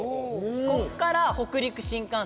ここから北陸新幹線